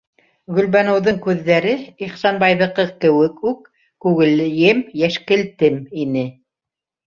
- Гөлбаныуҙың күҙҙәре, Ихсанбайҙыҡы кеүек үк, күгелйем-йәшкелтем ине.